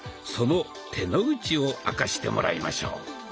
その「手の内」を明かしてもらいましょう。